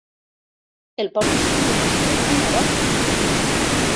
El portes tu una estona, ara?